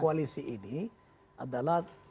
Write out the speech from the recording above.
koalisi ini adalah